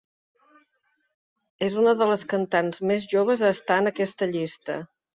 És una de les cantants més joves a estar en aquesta llista.